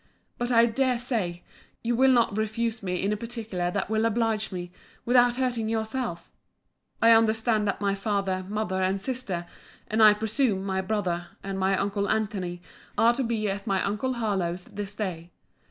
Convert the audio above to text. But, I dare say, you will not refuse me in a particular that will oblige me, without hurting yourself. I understand that my father, mother, and sister, and I presume, my brother, and my uncle Antony, are to be at my uncle Harlowe's this day.